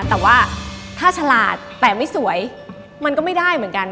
แต่ว่าถ้าฉลาดแต่ไม่สวยมันก็ไม่ได้เหมือนกัน